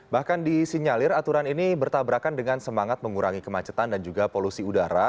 bahkan disinyalir aturan ini bertabrakan dengan semangat mengurangi kemacetan dan juga polusi udara